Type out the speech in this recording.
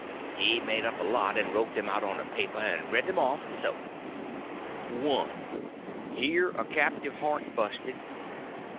He made up a lot, and wrote them out on a paper, and read them off, so: 1. _Here a captive heart busted.